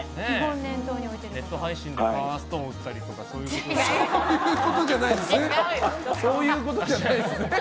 ネット配信でパワーストーン売るとかそういうことじゃないですよね。